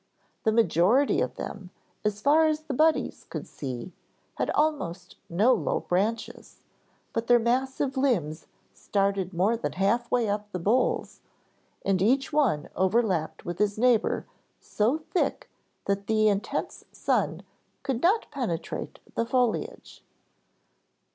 The majority of them, as far as the Buddies could see, had almost no low branches, but their massive limbs started more than half way up the boles, and each one overlapped with his neighbor so thick that the intense sun could not penetrate the foliage.